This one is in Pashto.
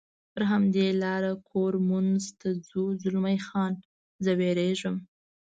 پر همدې لار کورمونز ته ځو، زلمی خان: زه وېرېږم.